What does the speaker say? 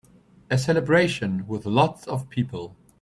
A celebration with lots of people.